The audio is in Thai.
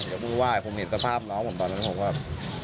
ยกมือไหว้ผมเห็นสภาพน้องผมตอนนั้นผมแบบ